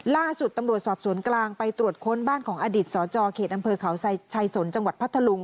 ล่าสุดตำรวจสอบสวนกลางไปตรวจค้นบ้านของอดีตสจเขตอำเภอเขาชัยสนจังหวัดพัทธลุง